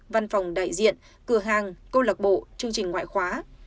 văn phòng đại diện cửa hàng câu lạc bộ chương trình ngoại khóa